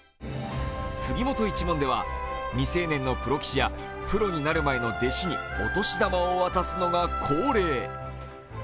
杉本一門では未成年のプロ棋士やプロになる前の弟子にお年玉を渡すのが恒例。